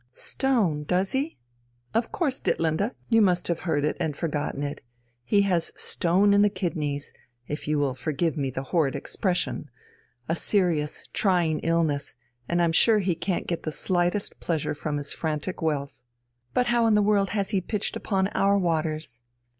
"Stone, does he?" "Of course, Ditlinde, you must have heard it and forgotten it. He has stone in the kidneys, if you will forgive me the horrid expression a serious, trying illness, and I'm sure he can't get the slightest pleasure from his frantic wealth." "But how in the world has he pitched upon our waters?"